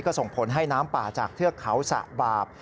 ก็ส่งผลให้น้ำป่าจากเทือกเขาสะบาป